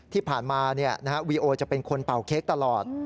ที่ผ่านมาวีโอจะเป็นคนเป่าเค้กตลอด